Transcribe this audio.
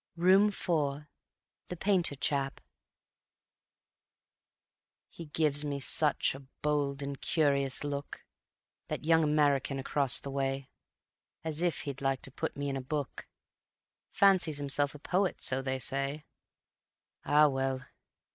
_ Room 4: The Painter Chap He gives me such a bold and curious look, That young American across the way, As if he'd like to put me in a book (Fancies himself a poet, so they say.) Ah well!